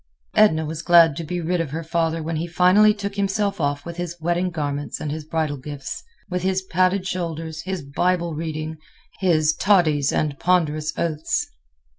Edna was glad to be rid of her father when he finally took himself off with his wedding garments and his bridal gifts, with his padded shoulders, his Bible reading, his "toddies" and ponderous oaths.